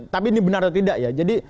tapi ini benar atau tidak ya